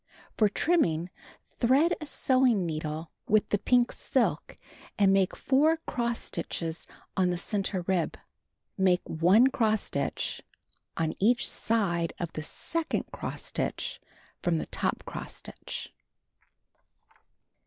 For trimming, thread a sewing needle with the pink silk and make 4 cross stitches on the center rib. Make 1 cross stitch on each side of the second cross stitch from the top cross stitch.